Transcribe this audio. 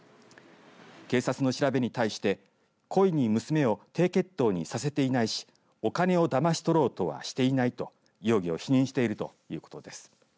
警察の調べに対して故意に娘を低血糖にさせていないしお金をだまし取ろうとはしていないと容疑を否認しているということです。